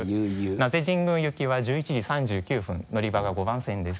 名瀬神宮行きは１１時３９分乗り場が５番線です。